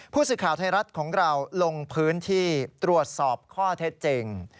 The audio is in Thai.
ผู้สื่อข่าวไทยรัฐของเราลงพื้นที่ตรวจสอบข้อเท็จจริง